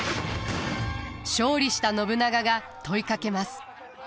勝利した信長が問いかけます。